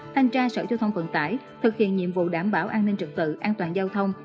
thanh tra sở giao thông vận tải thực hiện nhiệm vụ đảm bảo an ninh trực tự an toàn giao thông